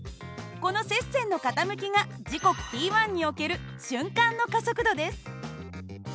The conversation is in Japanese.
この接線の傾きが時刻ｔにおける瞬間の加速度です。